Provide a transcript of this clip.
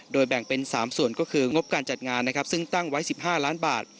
แบ่งเป็น๓ส่วนก็คืองบการจัดงานนะครับซึ่งตั้งไว้๑๕ล้านบาท